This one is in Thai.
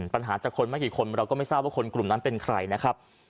ปัญหาจากคนไม่กี่คนเราก็ไม่ทราบว่าคนกลุ่มนั้นเป็นใครนะครับ